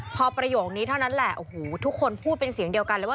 พอประโยคนี้เท่านั้นแหละโอ้โหทุกคนพูดเป็นเสียงเดียวกันเลยว่า